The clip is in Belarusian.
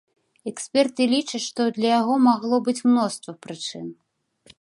Эксперты лічаць, што для яго магло быць мноства прычын.